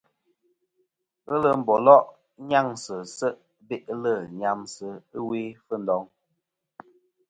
Ghelɨ mbòlo' nyaŋsɨ se' be'lɨ nyamsɨ ɨwe Fundong.